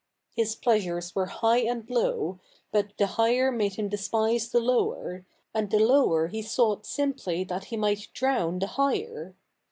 His pleasures were high and low ; but the higher made him despise the lower ; and the lower he sought simply that he might drown the higher.